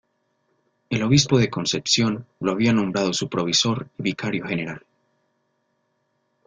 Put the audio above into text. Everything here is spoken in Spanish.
El obispo de Concepción lo había nombrado su provisor y vicario general.